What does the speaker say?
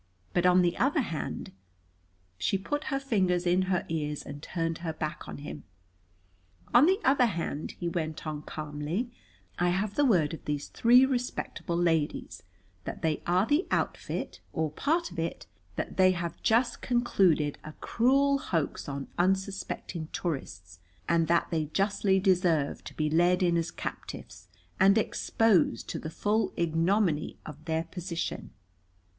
But, on the other hand " She put her fingers in her ears and turned her back on him. "On the other hand," he went on calmly, "I have the word of these three respectable ladies that they are the outfit, or part of it, that they have just concluded a cruel hoax on unsuspecting tourists, and that they justly deserve to be led in as captives and exposed to the full ignominy of their position."